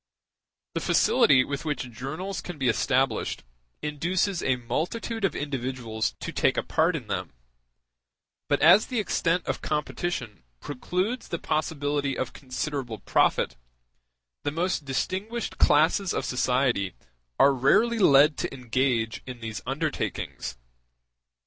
The facility with which journals can be established induces a multitude of individuals to take a part in them; but as the extent of competition precludes the possibility of considerable profit, the most distinguished classes of society are rarely led to engage in these undertakings.